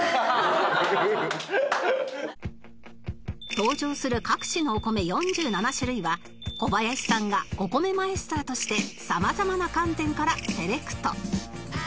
登場する各地のお米４７種類は小林さんがお米マイスターとして様々な観点からセレクト